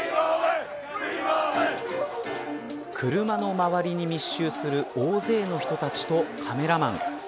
車の周りに密集する大勢の人たちとカメラマン。